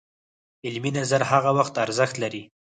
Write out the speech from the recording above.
علمي نظر هغه وخت ارزښت لري